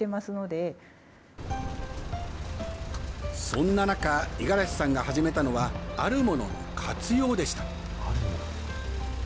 そんな中、五十嵐さんが始めたのは、あるものの活用でした。